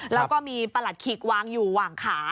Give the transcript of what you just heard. แล้วก็มีประหลัดขิกวางอยู่หว่างขา